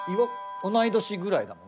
同い年ぐらいだもんね。